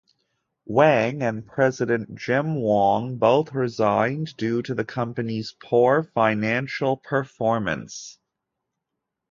Wang, and President Jim Wong, both resigned due to the company's poor financial performance.